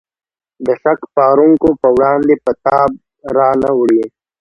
د شک پارونکو په وړاندې به تاب را نه وړي.